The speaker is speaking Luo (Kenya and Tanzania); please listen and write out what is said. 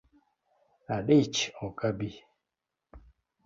Adich ok abi